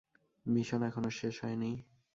Mission এখনো শেষ হয়নি।